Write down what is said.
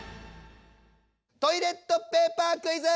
トイレットペーパークイズ！